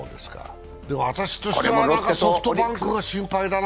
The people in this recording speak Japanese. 私としてはソフトバンクが心配だな。